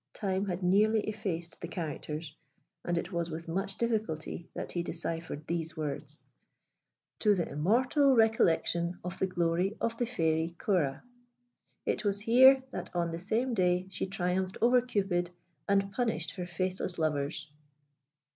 Time had nearly effaced the characters, and it was with much difficulty that he deciphered these words: TO THE IMMORTAL RECOLLECTION OF THE GLORY OF THE FAIRY CEORA. IT WAS HERE THAT ON THE SAME DAY SHE TRIUMPHED OVER CUPID AND PUNISHED HER FAITHLESS LOVERS.